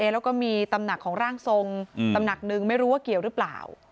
แล้วก็มีตำหนักของร่างทรงตำหนักนึงไม่รู้ว่าเกี่ยวหรือเปล่า